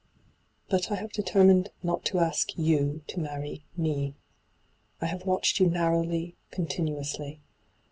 ' But I have determined not to ask you to marry me. I have watched you narrowly, continuously.